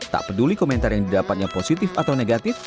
tak peduli komentar yang didapatnya positif atau negatif